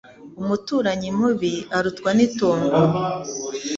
Umuturanyi mubi arutwa n'itongo